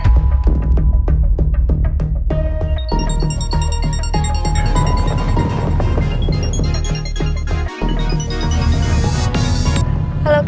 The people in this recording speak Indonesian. ternyata udah lagi